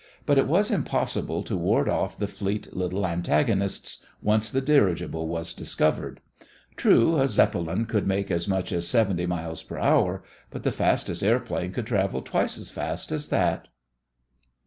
But it was impossible to ward off the fleet little antagonists, once the dirigible was discovered. True, a Zeppelin could make as much as seventy miles per hour, but the fastest airplanes could travel twice as fast as that.